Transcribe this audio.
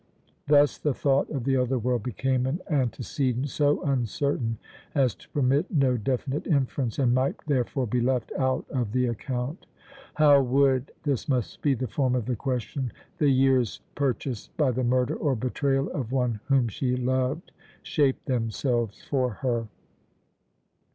Thus the thought of the other world became an antecedent so uncertain as to permit no definite inference, and might therefore be left out of the account. How would this must be the form of the question the years purchased by the murder or betrayal of one whom she loved shape themselves for her?